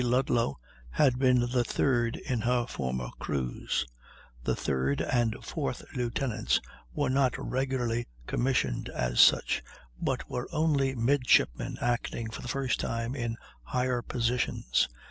Ludlow, had been the third in her former cruise; the third and fourth lieutenants were not regularly commissioned as such, but were only midshipmen acting for the first time in higher positions.